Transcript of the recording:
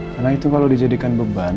karena itu kalau dijadikan beban